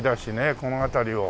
この辺りを。